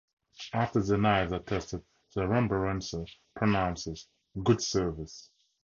After the knives are tested the Remembrancer pronounces "Good service".